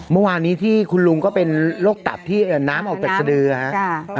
เมื่อวานี่ที่คุณลุงก็เป็นโรคตับที่น้ำเอาไปฟัดสะดืออะฮะ